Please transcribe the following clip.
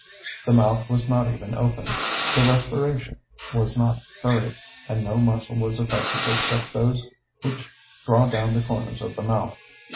The mouth was not even opened; the respiration was not hurried; and no muscle was affected except those which draw down the corners of the mouth.